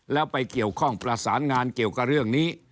แล้วไปเกี่ยวข้องประสานงานเกี่ยวกับเรื่องนี้